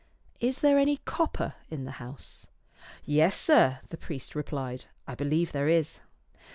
Is there any copper in the house?" " Yes, sir," the priest replied, " I believe there is."